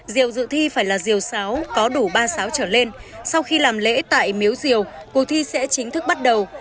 diều dự thi phải là diều sáu có đủ ba sáu trở lên sau khi làm lễ tại miếu diều cuộc thi sẽ chính thức bắt đầu